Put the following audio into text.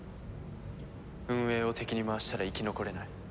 運営を敵に回したら生き残れない。